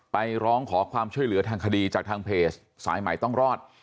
ร้องขอความช่วยเหลือทางคดีจากทางเพจสายใหม่ต้องรอด